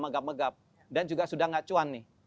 megap megap dan juga sudah gak cuan nih